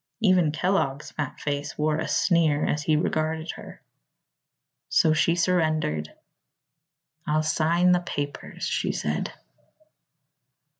Even Kellogg's fat face wore a sneer as he regarded her. So she surrendered. "I'll sign the papers," she said.